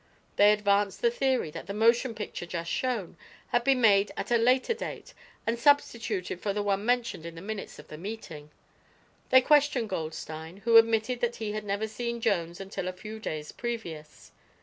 They advanced the theory that the motion picture, just shown, had been made at a later dale and substituted for the one mentioned in the minutes of the meeting. They questioned Goldstein, who admitted that he had never seen Jones until a few days previous.